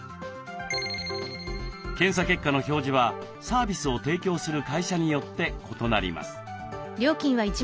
検査結果の表示はサービスを提供する会社によって異なります。